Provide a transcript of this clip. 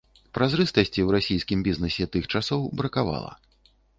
Празрыстасці ў расійскім бізнэсе тых часоў бракавала.